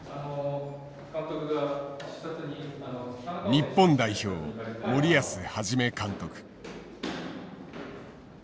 日本代表森保一監督。